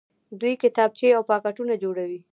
دوی کتابچې او پاکټونه جوړوي.